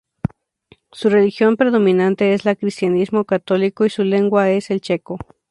Su religión predominante es la cristianismo católico y su lengua el checo.